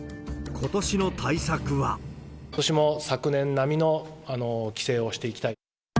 ことしも昨年並みの規制をしていきたい。